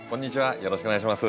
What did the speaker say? よろしくお願いします。